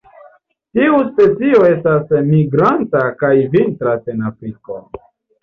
Tiu specio estas migranta kaj vintras en Afriko.